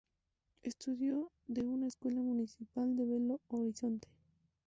Estudio de una escuela municipal de Belo Horizonte".